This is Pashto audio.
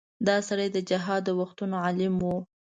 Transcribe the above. دا سړی د جهاد د وختونو عالم و.